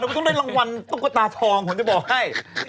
ต้องได้รางวัลต้องกดตาทองผมจะบอกให้